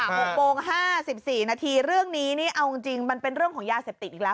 ๖โปรง๕๔นาทีเรื่องนี้เนี่ยเอาจริงมันเป็นเรื่องของยาเสพติดอีกแล้ว